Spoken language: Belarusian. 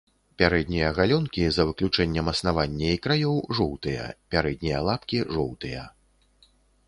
Пярэднія галёнкі за выключэннем аснавання і краёў жоўтыя, пярэднія лапкі жоўтыя.